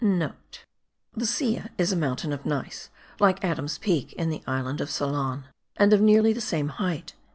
*(* The Silla is a mountain of gneiss like Adams Peak in the island of Ceylon, and of nearly the same height.)